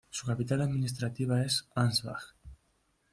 Su capital administrativa es Ansbach.